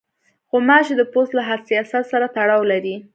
غوماشې د پوست له حساسیت سره تړاو لري.